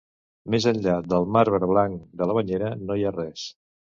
Més enllà del marbre blanc de la banyera no hi ha res.